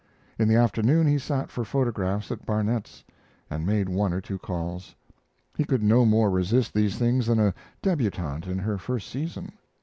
In the afternoon he sat for photographs at Barnett's, and made one or two calls. He could no more resist these things than a debutante in her first season.